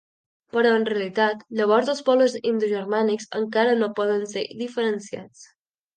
Però en realitat llavors els pobles indogermànics encara no poden ser diferenciats.